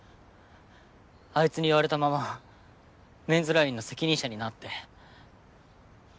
あいつに言われたままメンズラインの責任者になって。